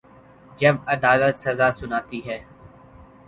جب عدالت سزا سناتی ہے۔